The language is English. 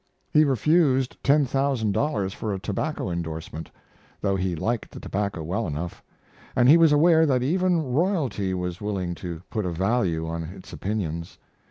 He refused ten thousand dollars for a tobacco indorsement, though he liked the tobacco well enough; and he was aware that even royalty was willing to put a value on its opinions.